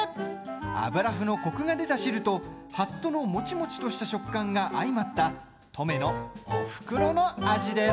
油ふのコクが出た汁とはっとのもちもちとした食感が相まった登米のおふくろの味です。